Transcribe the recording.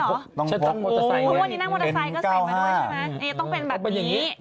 ฉันต้องโพกเพราะวันนี้นั่งมอเตอร์ไซค์ก็ใส่มาด้วยใช่ไหมต้องเป็นแบบนี้